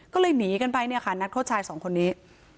ก็เลยหนีกันไปเนี่ยค่ะนักโทษชายสองคนนี้